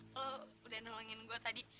lo udah nolongin gue tadi